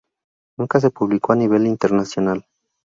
Nunca se publicó a nivel internacional.